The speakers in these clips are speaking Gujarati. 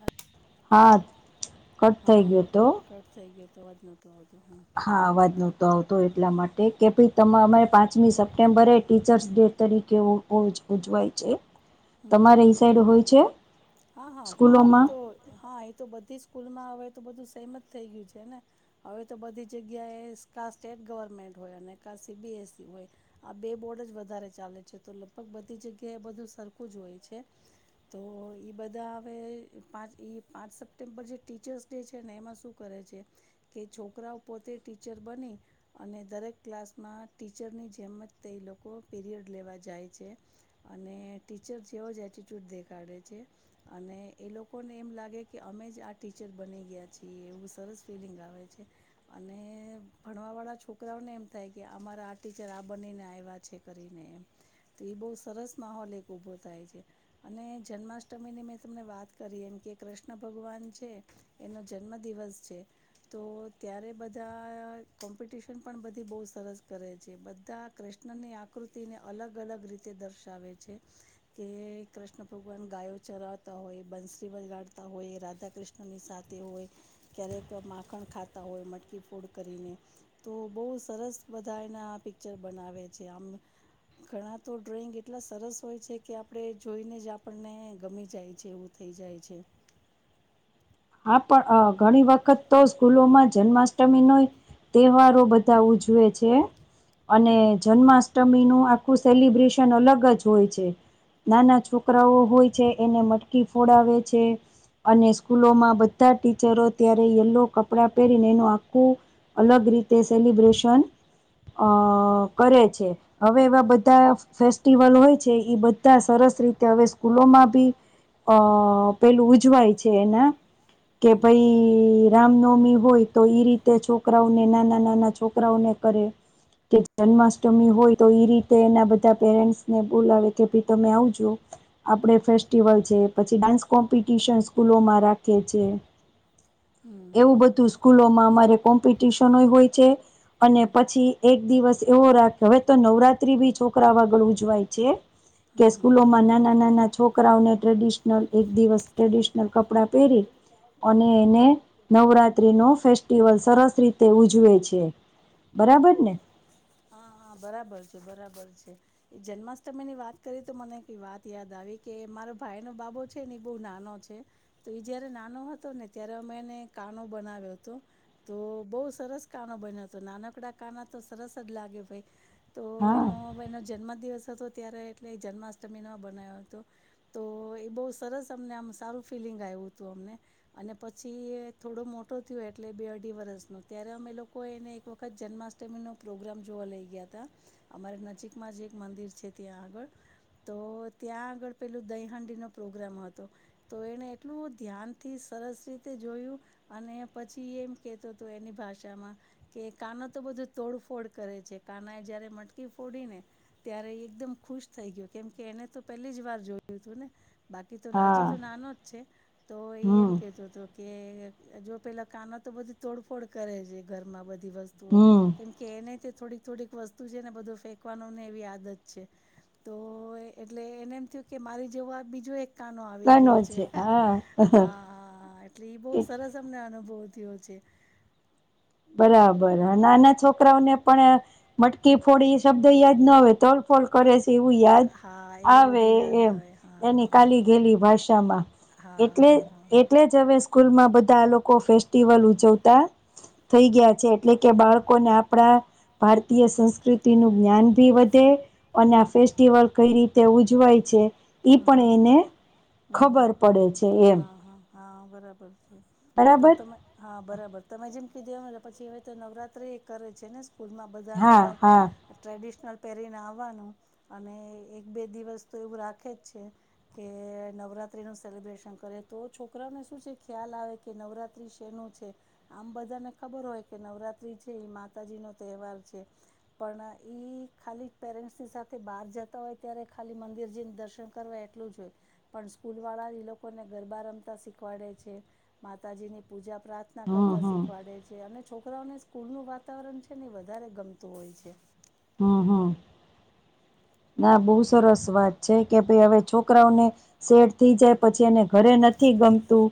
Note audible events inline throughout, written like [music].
હ હા કટ થઈ ગયો તો. વા જ નતો [unintelligible] હા અવાજ નતો આવ તો એટલા માટે કે ભાઈ અમે પાંચમી સપ્ટેમ્બરે ટીચર્સ ડે તરીકે હોય છે. હમ તમારે એ સાઈડ હા હા, પાંચ એ સ્કૂલોમાં તો હા. તો બધી સ્કૂલમાં હવે તો બધું સેમ જ થઈ ગયું છે ને, હવે તો બધી જગ્યા એ સ્ટેટ ગવર્મેન્ટ હોય અને કા સી બી એસ સી હોય, આ બે બોર્ડજ વધારે ચાલે છે તો લગભગ બધી જગ્યા કે બધું સરખું જ હોય છે. તો ઈ બધા હવે પાંચ પાંચ સપ્ટેમ્બર જે ટીચર્સ ડે છે ને એમાં શું કરે. કે છોકરાઓ પોતે ટીચર બની અને દરેક ક્લાસમાં ટીચરની જેમ જ તે લોકો પીરિયડ લેવા જાય છે, અને ટીચર જેવો જ એટીટ્યુડ દેખાડે છે, અને એ લોકોને એમ લાગે કે અમે જ આ ટીચર બની ગયા છે એવું સરસ ફીલિંગ આવે છે, અને ભણવા વાળા છોકરાઓને એમ થાય કે અમારા આ ટીચર આ બનીને આવ્યા છે કરીને એમ, તો એ બહ સરસ માહોલ ઉભો થાય છે, અને જન્માષ્ટમીની મેં તમને વાત કરી એમ કે કૃષ્ણ ભગવાન છે. એનો જન્મ દિવસ છે, તો ત્યારે બધા કોમ્પિટિશન પણ બધી બહુ સરસ કરે છે બધા કૃષ્ણની આકૃતિને અલગ અલગ રીતે દર્શાવે છે. [inaudible] કે કૃષ્ણ ભગવાન ગાયો ચરાવતા હોય બંસરી વગાડતા હોય રાધા કૃષ્ણ ની સાથે એવુ હોય ક્યારેક માખણ ખાતા હોય મટકી ફોડ કરીને તો બો સરસ બધા એના પિકચર બનાવે છે અમ ઘણા તો ડ્રોઈંગ એટલા સરસ હોય છે કે આપણે જોઈને જ આપણને ગમી જાય છે એવું થઈ જાય છે હા પણ ઘણી વખત તો સ્કૂલોમાં જન્માષ્ટમી નોએ તહેવારો બધા ઉજવે છે. અને જન્માષ્ટમીનું આખું સેલિબ્રેશન અલગ જ હોય છે. નાના છોકરાઓ હોય છે એને મટકી ફોડાવે છે, અને સ્કૂલોમાં બધા ટીચરો ત્યારે યલો કપડાં પહેરીને એનું આખું અલગ રીતે સેલિબ્રેશન અ કરે છે, હવે એવા બધા ફેસ્ટિવલ હોય છે ઇ બધા સરસ સરસ રીતે હવે સ્કૂલોમાં ભી, અ પેલું ઉજવાય છે એના કે હમ ભાઈ રામનવમી હોય તો ઈ રીતે છોકરાઓને નાના નાના છોકરાઓને કરે. કે જન્માષ્ટમી હોય તો એ રીતે એના બધા પેરેન્ટ્સને બોલાવે કે ભાઈ તમે આવજો. આપડે ફેસ્ટિવલ છે પછી ડાન્સ કોમ્પિટશન સ્કૂલોમાં રાખે છે હમ એવું બધું સ્કૂલોમા હમારે કોમ્પિટીશને હી હોય છે અને હમ પછી એક દિવસ એવો રાખે હવે તો નવરાત્રી બી છોકરા આગળ ઉજવાય છે કે હમ હમ હમ સ્કૂલોમાં હમ હમ નાના નાના છોકરાઓને ટ્રેડિશનલ એક દિવસ ટ્રેડિશનલ કપડા પેરી અને એને નવરાત્રી નો ફેસ્ટિવલ સરસ રીતે ઉજવે છે બરાબર ને હા હા બરાબર છે બરાબર છે જન્માષ્ટમી ની વાત કરી તો મને વાત યાદ આવી કે મારો ભાઈ નો બાબો છે ને બો નાનો છે ઈ જયારે નાનો હતો ને ત્યારે અમે એને કાનો બનાવ્યો હતો તો બહુ સરસ કાનો બનયો તો નાનકડા કાના તો સરસ જ લાગે ભઈ તો હા એનો એનો જન્મ દિવસ થતો ત્યારે એટલે જન્માષ્ટમી ના બનાવયો હતો તો એ બોહ સરસ અમને આમ સારું ફિલંગ આવ્યું હતું અમને પછી થોડો મોટો થયો એટલે બે અઢી વર્ષનો ત્યારે અમે એ લોકો એને એક વખત જન્માષ્ટમી નો પ્રોગ્રામ જોવા લઈ ગયા હતા અમારે નજીકમાં જ એક મંદિર છે ત્યા આગળ તો ત્યાં આગળ પેલું દહીહાંડી નો પ્રોગ્રામ હતો તો એને એટલું ધ્યાન થી સરસ રીતે જોયું અને પછી એમ કેતો તો એની ભાષા મા કે કાનો તો બધું તોડફોડ કરે છે કાના એ જયારે મટકી ફોડીને ત્યારે એકદમ ખુશ થઈ ગયો કેમ કે એને તો પેલી જ વાર જોયુ તુ ને બાકી તો હજી હા તો નાનો જ છે તો એ હમ એમ કેતો હતો કે જો પેલા કાના તો બધી તોડફોડ કરે છે ઘરમાં બધી ધી વસ્તુઓ હમ કેમ કે એનેય તે થોડીક થોડીક વસ્તુ છે ને બધુ ફેંકવાનુ ને એવી આદત છે તો એટલે એને એમ થયું કે મારી જેવું બીજું એક કાનો આવી ઘનો છે હા હા એટલે ઈ બિહારી સરસ અમને અનુભવ ભવ થયો છે બરાબર નાના છોકરાઓને પણ મટકી ફોડી એ શબ્દ યાદ નો હોય તોલફોડ કરે છે તેવુ યાદ હા એવું આવે બધું યાદ એમ આવે હા એની હા કાલી હા ઘેલી ભાષામા હા એટલે હા હા. એટલે જ હવે સ્કૂલમાં બધા લોકો ફેસ્ટિવલ ઉજવતા થઈ ગયા છે એટલે કે હમ. હમ. બાળકોને આપણા ભારતીય સંસ્કૃતિનુ જ્ઞાન ભી વધે અને આ ફેસ્ટિવલ કઈ રીતે ઉજવાય છે ઈ હમ હમ. પણ એને હમ હમ. ખબર પડે છે એમ હા હા હા બરાબર છે તો બરાબર તમે હા બરાબર તમે જેમ જે પછી હવે નવરાત્રી એ કરે છે ને સ્કૂલમાં બધાને હા હા ટ્રેડિશનલ પેરીને આવવાનું અને એક બે દિવસ તો એવું રાખ ખે જ છે કે નવરાત્રી નું સેલબ્રેશન કરે તો છોકરાને શું છે ખ્યાલ આવે કે નવરાત્રી શેનું છે આમ બધાને ખબર હોય કે નવરાત્રી છે એ માતાજી નો તહેવાર છે પણ ઈ ખાલી પેરેન્ટસની સાથે બાર જતા હોય ત્યારે ખાલી મંદિર જયે ને દર્શન કરવા એટલુ જ હોય પણ સ્કૂલ વાળા ઈ લોકોને ગરબા રમતા શીખવાડે છે માતા જી ની પૂજા પ્રાર્થના હમ કરતા હમ શીખવાડે છે અને છોકરાઓને સ્કૂલ નું વાતાવરણ છે ને વધારે ગમતું હોય છે હમ્મ હમ્મ ના બહુ સરસ વાત છે કે ભઈ હવે છોકરાઓને સેટ થઈ જાય પછી એને ઘરે ન નથી ગમતું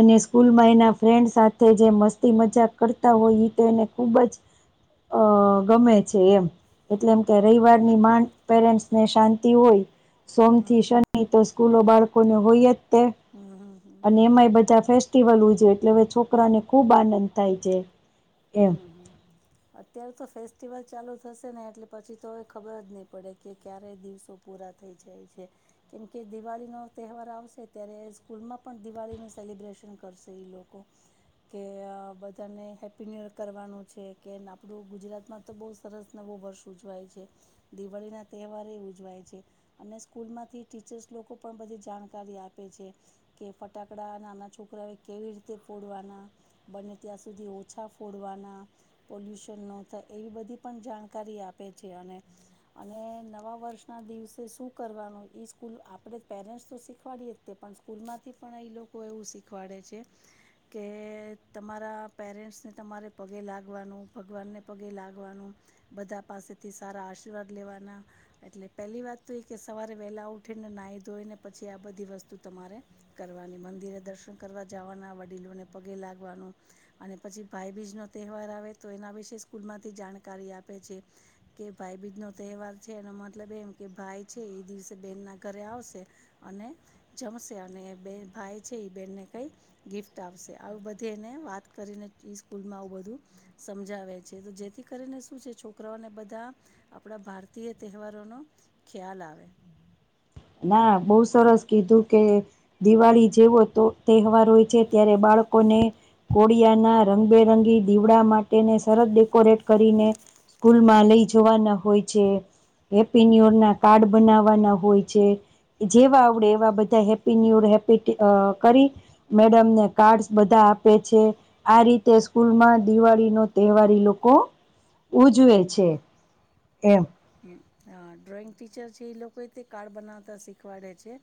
અને સ્કૂલમાં એના ફ્રેન્ડ સાથે જે મસ્તી મજાક કરતા હોય ઈ તો એને ખૂબ જ અ ગમે છે એમ એટલે એમ કે રવિવારની માંડ પેરેન્ટસ ને શાંતિ હોય હમ સોમથી શનિ તો સ્કૂલો બાળકોને હોયજ તે હમ હમ હમ અને એમાય બધા ફેસ્ટિવલ ઉજવે એટલે હવે છોકરાને ખૂબ આનંદ થાય છે એમ હમ હમ અત્યારે તો ફેસ્ટિવલ ચાલુ થશે ને એટલે પછી તો હવે ખબર જ નહી પડે કે ક્યારેય દિવસો પૂ રા થઈ છે કેમકે દિવાળી નો તહેવાર આવશે ત સ્કૂલમાં પણ દિવાળીના સેલી બ્રેશન કરસે એ લોકો કે અ બધાને હેપ્પી નિયર કરવાનુ કે આપડુ ગુજરાતમાં તો બઉં સરસ નવો વર્ષ ઉજવાય છે દિવાળી ના તહેવારે ઉજવાય છે અને સ્કૂલમાંથી ટીચર્સ લોકો પણ બધી જાણકારી આપે છે કે ફટા કપડા નાના છોકરા એ કેવી રીતે ફોડવાના બંને ત્યાં સુધી ઓછા ફોડવાના પોલ્યુશન નો થાય એવી બધી પણ જાણકારી આપે છે અને નવા વર્ષ ના દિવસે શું કરવાનું ઈ સ્કૂલ આપણે પેરેન્ટસ તો શીખવાડી પણ સ્કૂલ માંથી પણ એ લોકો એવુ શીખવાડે છે કે તમારા પેરેન્ટને તમારે પગે લાગ વાનુ ભગવાનને પગે લાગવાનુ બધા પાસેથી સારા આશીર્વાદ લેવાના એટલે પહેલી વાત તો એ કે સવારે વહેલા ઉઠીને નાહી ધોઈને પછી આ બધી વસ્તુ તમારે કરવાની મંદિરે દર્શન કરવા જવાના વડીલોને પગે લાગવાનું અને પછી ભાઈબીજ નો તહેવાર આવે એના વિ સ્કૂલમાંથી જાણકારી આપે છે કે ભાઈ બીજ નો તહેવાર છે એનો મતલબ કેમ કે ભાઈ છે એ દિવસે બેન ના ઘરે આવશે અને જમશે અને બે ભાઈ બેનને કઈ ગિફ્ટ આપશે બધેને વાત કરીને સ્કૂલમાં આવું બધું સમજાવે છે તો જેથી કરીને શું છે છોકરાઓને બધા આપણા ભારતીય તહેવારોનો ખ્યાલ આવે [inaudible] ના બહ સરસ કીધું કે દિવાળી જેવો તહેવાર હોય છે ત્યારે બા બાળકોને કોળિયાના રંગબેરંગી દીવડા માટેને સરત ડેકોરેટ કરીને સ્કૂલ માં લઈ જવાના હોય છે હેપ્પી નુંયર ના કાર્ડ બનાવવાના હોય છે જેવા આવડે એવા બધા હેપ્પય ન્યુ યેર હૉપ્ય ટી કરી મેડમને કાર્ડ્સ બધા આપે છે આ રીતે સ્કૂલમાં દિવાળી નો તહેવાર ઈ લોકો ઉજવે છે એમ ડ્રોઈંગ ટીચર છે એ લોકો તે કાર્ડ બનાવતા શીખવાડે છે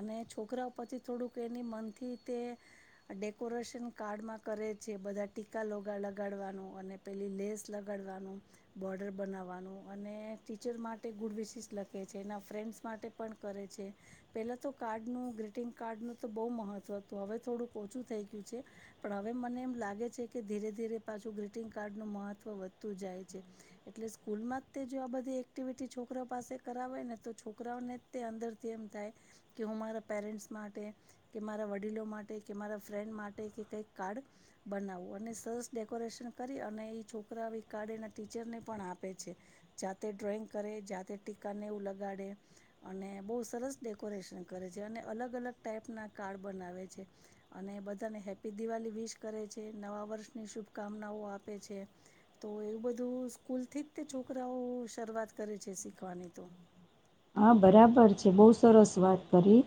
અને છોકરા પછી થોડુંક એ મનથી તે ડેકોરેશન કાર્ડમાં કરે છે બધા ટીકા લગાડવાનું અને પે લેસ લગાડવાનું બોર્ડર બનાવાનું ટીચર માટે ગુડ વિશસ લખે છે એના ફ્રેન્ડસ માટે પણ કરે છે પેલા તો કાર પહેલા ગ્રીટિંગ નો તો બો મહત્વ હતુ હવે થીણું ઓછું થય ગયું છે પણ હવે મને એમ લાગે ધીરે ધીરે પાછું ગ્રીટંગ કાર્ડ નું મહત્વ વધતું જાય છે એટલે સ્કૂલમાં જો આ બધી એક્ટિવિટી છોકરા પાસે કરે ને તો છોકરાઓને અંદર થી એમ થાય મારાં પેરેન્ટ માટે કે મારા વડીલો માટે કે મારા ફ્રેન્ડ માટે કે કઈક કાર્ડ બનાવવું અને સરસ ડેકોરેશન કરી અને એ છોકરા કાર્ડ એના ટીચરને પણ આપે છે. જાતે ડ્રોઈંગ કરે જાતે ટીકાને એવું લગાડે, અને બઉુ સરસ ડેકોરેશન કરે. અને અલગ અલગ ટાઈપ ના કાર્ડ બનાવે છે, અને બધાને હેપી દિવાળ વિીશ કરે છે. નવા વર્ષની શુભકામનાઓ આપે છે, તો એવું બધું સ્કૂલ થી જો છોકરાઓ શરૂઆત કરે છે શીખવાની તો. હા બરાબર છે બહ સરસ વાત કરી,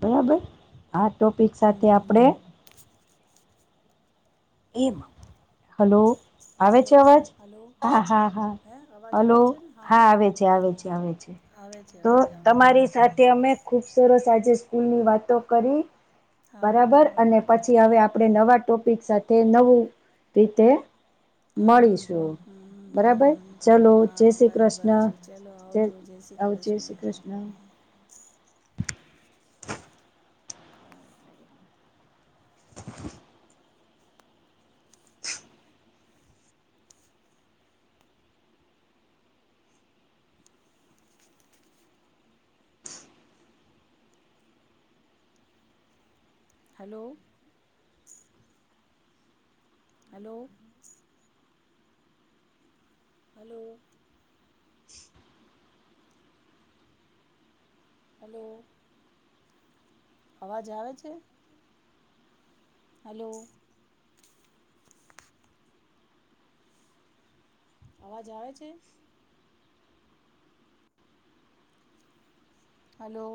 બરાબર હા. ટોપિક સાથે હમ હમ આપણે એમ હલો આવે છે હલો અવાજ હલો હા હા હા હે અવાજ હલો આવે છે ને હા આવે બરાબર છે આવે છે આવે છે આવે છે તો અવાજ હા હા તમારી સાથે અમે ખુબ સરસ આજે સ્કૂલની વાતો કરી હા હા બરાબર હા અને પછી હવે હા આપણે નવા ટોપિક સાથે તે નવું રીતે હમ મળીશું હમ હમ હમ બરાબર હમ ચલો હા જય શ્રી બરાબર કૃષ્ણ છે ચલો આવજો જય શ્રી જય કૃષ્ણ શ્રી હા Krishna hello hello hello hello અવાજ આવે છે? હલો. અવાજ આવે છે? હલો.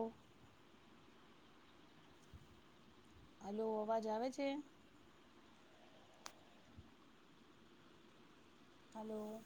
હલોો અવાજ આવે છે? હલો.